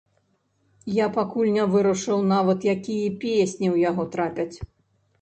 Я пакуль не вырашыў нават, якія песні ў яго трапяць.